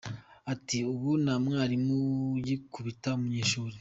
Ati ”Ubu nta mwarimu ugikubita umunyeshuri.